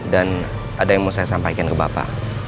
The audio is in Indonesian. dan ada yang mau saya sampaikan ke bapak